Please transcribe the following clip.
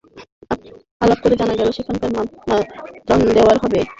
আলাপ করে জানা গেল, সেখানে ত্রাণ দেওয়া হবে, তাই লোকজন এসেছেন।